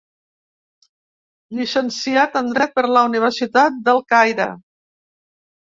Llicenciat en dret per la Universitat del Caire.